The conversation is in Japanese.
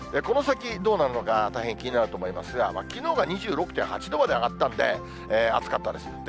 この先、どうなるのか、大変気になると思いますが、きのうが２６．８度まで上がったんで、暑かったです。